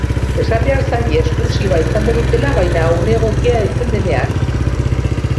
Esan behar zaie esklusiba izango dutela, baina une egokia heltzen denean.